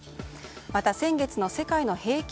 また、先月の世界の平均